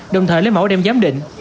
đồng thời lấy mẫu đem giám định